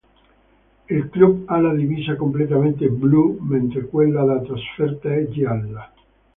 Il club ha la divisa completamente blu, mentre quella da trasferta è gialla.